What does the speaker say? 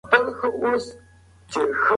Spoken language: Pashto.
احترام د انسانيت نښه ده.